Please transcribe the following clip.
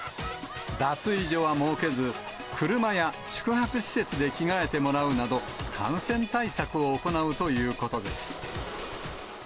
脱衣所は設けず、車や宿泊施設で着替えてもらうなど、感染対策を行うということです。